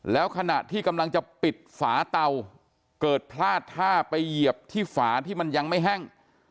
แล้วขณะที่กำลังจะปิดฝาเตาเกิดพลาดท่าไปเหยียบที่ฝาที่มันยังไม่แห้ง